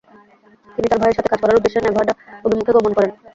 তিনি তার ভাইয়ের সাথে কাজ করার উদ্দেশ্যে নেভাডা অভিমুখে গমন করেন।